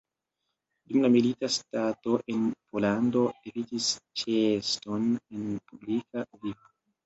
Dum la milita stato en Pollando evitis ĉeeston en publika vivo.